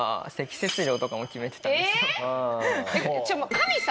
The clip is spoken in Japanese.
神様？